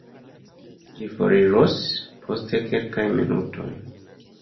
Ĝi foriros post kelkaj minutoj.